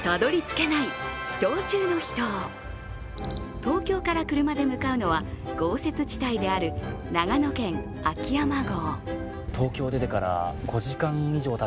東京から車で向かうのは、豪雪地帯である長野県秋山郷。